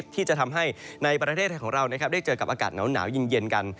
ที่จะทำให้ในประเทศไทยของเราได้เจอกับอากาศหนาวเย็นกัน